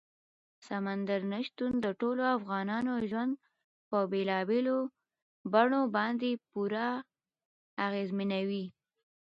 سمندر نه شتون د ټولو افغانانو ژوند په بېلابېلو بڼو باندې پوره اغېزمنوي.